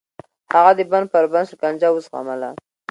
هغه د بند پر بند شکنجه وزغمله.